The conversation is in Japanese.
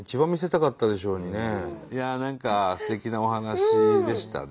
いやあ何かすてきなお話でしたね。